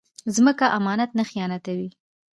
ځمکه امانت نه خیانتوي